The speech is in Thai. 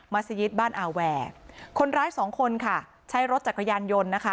สยิตบ้านอาแวร์คนร้ายสองคนค่ะใช้รถจักรยานยนต์นะคะ